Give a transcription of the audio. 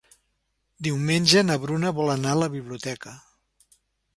Diumenge na Bruna vol anar a la biblioteca.